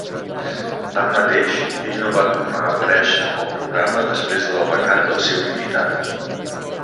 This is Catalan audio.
Tanmateix, ell no va tornar a aparèixer al programa després de la vacant del seu invitat.